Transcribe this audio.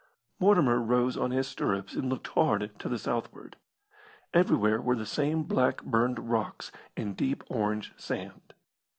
Mortimer rose on his stirrups and looked hard to the southward. Everywhere were the same black burned rocks and deep orange sand.